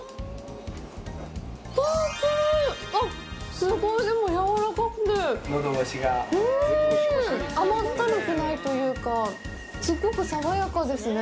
すごいやわらかくて甘ったるくないというか、すごく爽やかですね。